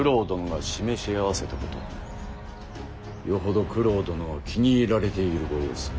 よほど九郎殿は気に入られているご様子。